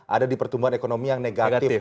ada di pertumbuhan ekonomi yang negatif